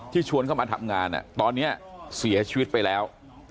ชวนเข้ามาทำงานตอนนี้เสียชีวิตไปแล้ว